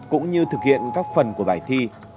cũng như thực hiện các phần của bài thi